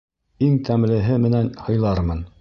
Иң тәмлеһе менән һыйлармын.